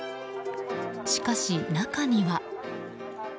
しかし、中には。